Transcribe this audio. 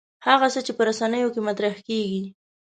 هغه څه چې په رسنیو کې مطرح کېږي.